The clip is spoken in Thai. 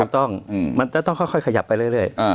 ถูกต้องอืมมันจะต้องค่อยค่อยขยับไปเรื่อยเรื่อยอ่า